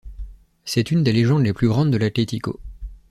C'est une des légendes les plus grandes de l'Atletico.